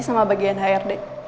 sama bagian hrd